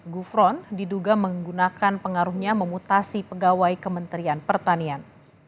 gufron diduga menggunakan pengaruhnya memutasi pegawai kementerian pertanian